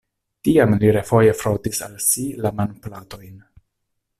Tiam li refoje frotis al si la manplatojn.